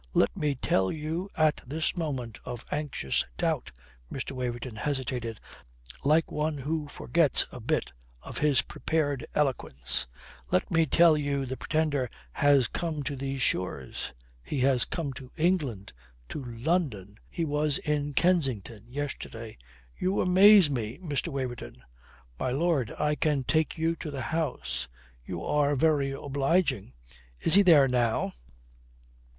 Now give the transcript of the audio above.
"Let me tell you at this moment of anxious doubt," Mr. Waverton hesitated like one who forgets a bit of his prepared eloquence, "let me tell you the Pretender has come to these shores. He has come to England, to London. He was in Kensington yesterday." "You amaze me, Mr. Waverton." "My lord, I can take you to the house." "You are very obliging. Is he there now?"